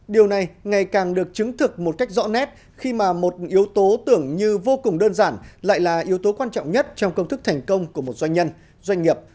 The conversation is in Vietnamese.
điều này ngày càng được chứng thực một cách rõ nét khi mà một yếu tố tưởng như vô cùng đơn giản lại là yếu tố quan trọng nhất trong công thức thành công của một doanh nhân doanh nghiệp